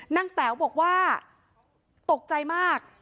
แต๋วบอกว่าตกใจมาก